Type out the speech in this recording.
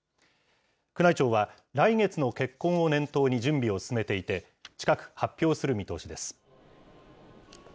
宮内庁は、来月の結婚を念頭に準備を進めていて、近く発表する見通しです。